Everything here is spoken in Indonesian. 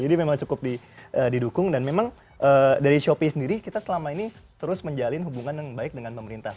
jadi memang cukup didukung dan memang dari shopee sendiri kita selama ini terus menjalin hubungan yang baik dengan pemerintah